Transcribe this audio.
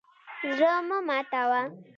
زړه مه ماتوه.